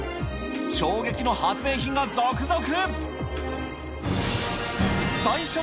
衝撃の発明品が続々。